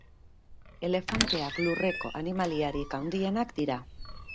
Elefanteak lurreko animaliarik handienak dira.